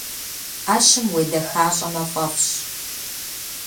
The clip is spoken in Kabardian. Ӏэщым уедэхащӏэмэ фӏэфӏщ.